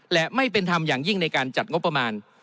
และไม่เป็นธรรมอย่างยิ่งในการจัดงบประมาณ